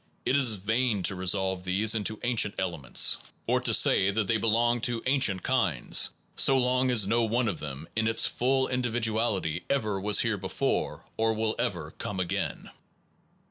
It is vain to resolve these into ancient ele 151 SOME PROBLEMS OF PHILOSOPHY fr a ments, or to say that they belong to ancient kinds, so long as no one of them in its full indi viduality ever was here before or will ever come again.